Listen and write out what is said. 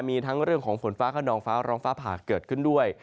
มีทั้งเรื่องของฝนฟ้าขนองฟ้าร้องฟ้าผ่าเกิดขึ้นด้วย